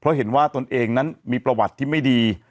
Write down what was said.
เพราะเห็นว่าตนเองนั้นมีประวัติที่ไม่ดี